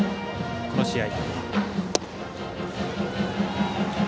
この試合。